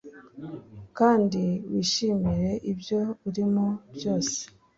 kandi wishimire ibyo urimo byose